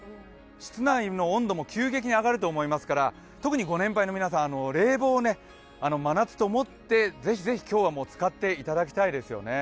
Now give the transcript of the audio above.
室内の温度も急激に上がると思いますから特にご年配の皆さん、冷房を真夏と思ってぜひぜひ今日は使っていただきたいですよね。